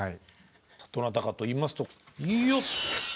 どなたかといいますとよっ！